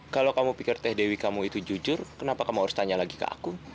kalau kamu pikir teh dewi kamu itu jujur kenapa kamu harus tanya lagi ke aku